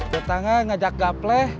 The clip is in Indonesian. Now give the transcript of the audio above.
datangnya ngajak gapleh